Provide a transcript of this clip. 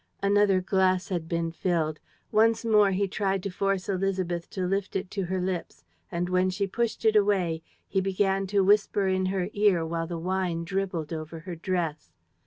Another glass had been filled. Once more he tried to force Élisabeth to lift it to her lips; and, when she pushed it away, he began to whisper in her ear, while the wine dribbled over her dress.